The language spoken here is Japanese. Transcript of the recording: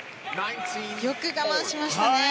よく我慢しましたね。